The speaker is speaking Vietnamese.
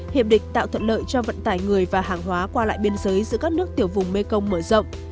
hiệp định tạo thuận lợi cho vận tải người và hàng hóa qua lại biên giới giữa các nước tiểu vùng mekong mở rộng